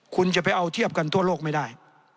คุณจะไปเอาเทียบกันทั่วโลกไม่ได้